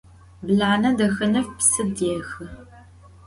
Blane Daxenef psı dêhı.